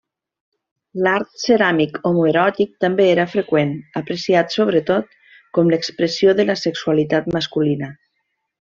L'art ceràmic homoeròtic també era freqüent, apreciat sobretot com l'expressió de la sexualitat masculina.